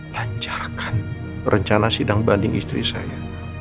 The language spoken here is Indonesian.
lancarkan perencana sidang banding istri saya